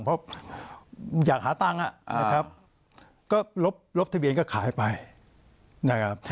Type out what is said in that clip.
เพราะอยากหาตังค์นะครับก็ลบทะเบียนก็ขายไปนะครับ